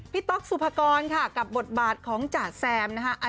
ต๊อกสุภากรค่ะกับบทบาทของจ๋าแซมนะคะ